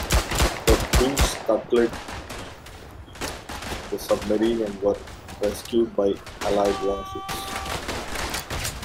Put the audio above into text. The crew scuttled the submarine and were rescued by Allied warships.